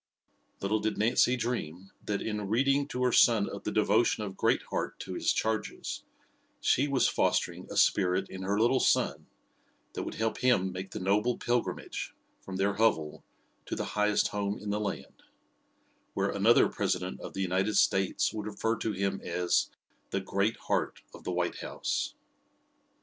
Little did Nancy dream that, in reading to her son of the devotion of Great Heart to his charges, she was fostering a spirit in her little son that would help him make the noble pilgrimage from their hovel to the highest home in the land, where another President of the United States would refer to him as "the Great Heart of the White House."